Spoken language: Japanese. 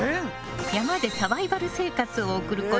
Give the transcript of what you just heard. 山でサバイバル生活を送ること